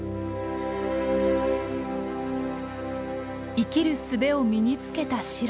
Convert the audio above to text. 生きるすべを身につけたシロ。